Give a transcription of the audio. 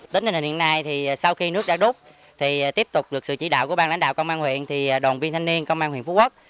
tính đến hiện nay thì sau khi nước đã đút thì tiếp tục được sự chỉ đạo của bang lãnh đạo công an huyện thì đồng viên thanh niên công an huyện phú quốc